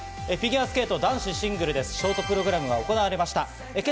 フィギュアスケート男子シングルスのショートプログラムが行われました。